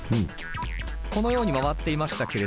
このように回っていましたけれども。